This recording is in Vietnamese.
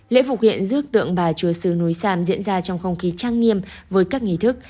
lễ phục hiện rước tượng bà chúa sư núi sam diễn ra trong không khí trang nghiêm với các nghỉ thức